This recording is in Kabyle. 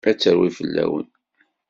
Ad terwi fell-awen.